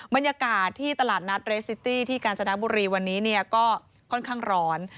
บรรยากาศที่ตลาดนัดเรสซิตี้ที่กาญจนบุรีวันนี้ก็ค่อนข้างร้อน